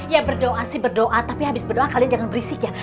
ya berdoa sih berdoa tapi habis berdoa kalian jangan berisik ya